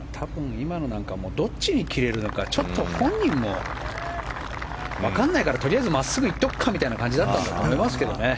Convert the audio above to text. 今のなんかもどっちに切れるのかちょっと本人も分からないからとりあえず真っすぐいくかみたいな感じだったんだろうけどね。